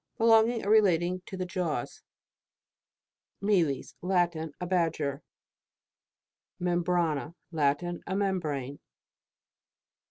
Belonging or relating to the jaws. MELES. Latin. A Badger. MEMBRANA. Latin. A membrane.